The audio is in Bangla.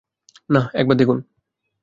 না, একবার দেখুন।